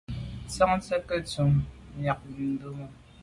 Ntsenyà nke ntum num miag mube.